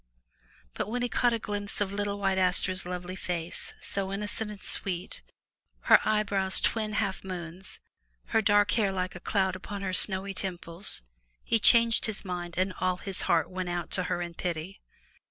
But when he caught a glimpse of little White Aster's lovely 374 FROM THE TOWER WINDOW face, so innocent and sweet, her eyebrows twin half moons, her dark hair like a cloud upon her snowy temples, he changed his mind and all his heart went out to her in pity.